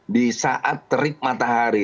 di saat terik matahari